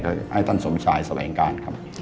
ให้ตันสมชายสรรค์แหล่งการครับ